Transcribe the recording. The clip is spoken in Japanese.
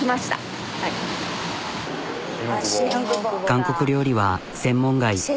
韓国料理は専門外。